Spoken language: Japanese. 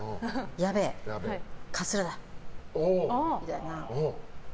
やべえ、カツラだ、みたいな。